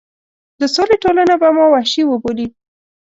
د سولې ټولنه به ما وحشي وبولي.